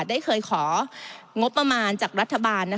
ได้เคยของงบประมาณจากรัฐบาล